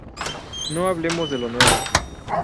No hablemos de lo nuevo.